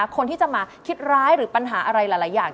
คนที่จะมาคิดร้ายหรือปัญหาอะไรหลายอย่าง